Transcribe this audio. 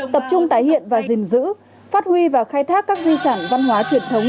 tập trung tái hiện và gìn giữ phát huy và khai thác các di sản văn hóa truyền thống